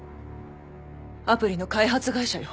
アプリの開発会社よ。